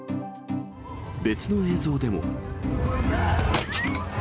別の映像でも。